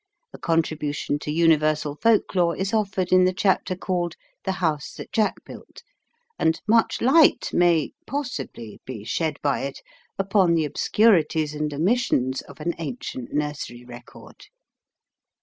A contribution to Universal Folk lore is offered in the chapter called "The House that Jack Built," and much light may (possibly) be shed by it upon the obscurities and omissions of an ancient nursery record.